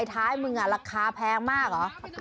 ไทรมึงอ่ะราคาแพงมากเหรอ